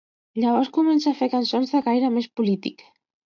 Llavors comença a fer cançons de caire més polític.